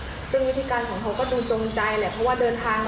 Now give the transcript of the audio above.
ซึ่งวิธีการของเขาก็ดูจงใจแหละเพราะว่าเดินทาง